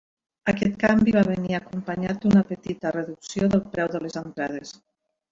Aquest canvi va venir acompanyat d'una petita reducció del preu de les entrades.